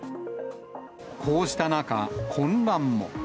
こうした中、混乱も。